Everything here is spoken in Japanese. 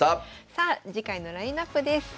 さあ次回のラインナップです。